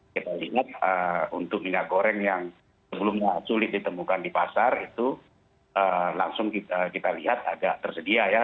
kita ingat untuk minyak goreng yang sebelumnya sulit ditemukan di pasar itu langsung kita lihat agak tersedia ya